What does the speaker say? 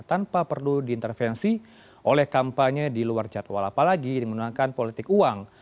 tanpa perlu diintervensi oleh kampanye di luar jadwal apalagi yang menggunakan politik uang